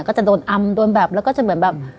ก็จะโดนอำโดนแบบแล้วก็จะเหมือนแบบ